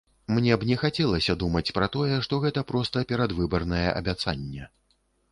Мне б не хацелася думаць пра тое, што гэта проста перадвыбарнае абяцанне.